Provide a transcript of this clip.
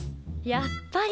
やっぱり。